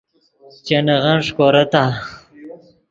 چے نغن ݰیکورتآ؟